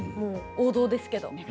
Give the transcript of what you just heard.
王道ですけど。